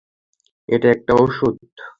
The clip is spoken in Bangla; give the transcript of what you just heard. এটা একটা ওষুধ।